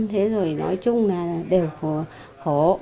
thế rồi nói chung là đều khổ